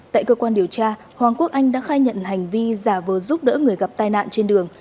tại cơ quan điều tra hoàng quốc anh đã khai nhận hành vi giả vờ giúp đỡ người gặp tai nạn trên đường